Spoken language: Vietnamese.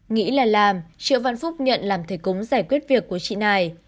nghĩ là làm triệu văn phúc nhận làm thầy cúng giải quyết việc của chị này